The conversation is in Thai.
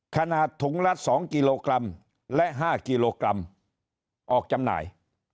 ขนาดถุงละ๒กิโลกรัมและ๕กิโลกรัมออกจำหน่าย